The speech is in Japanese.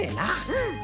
うん。